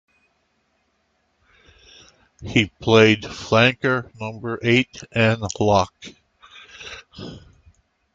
He played flanker, number eight and lock.